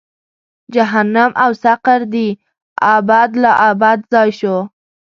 جهنم او سقر دې ابد لا ابد ځای شو.